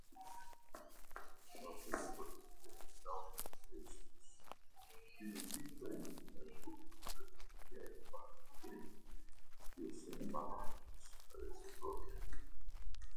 La burĝoj de Gaŭda estis dividitaj en du religiaj partioj, kiuj sin malamis reciproke.